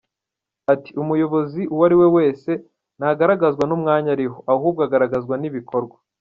Ati “Umuyobozi uwo ari we wese ntagaragazwa n’umwanya arimo, ahubwo agaragazwa n’ibikorwa.